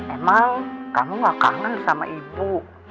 emang kamu gak kangen sama ibu